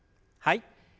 はい。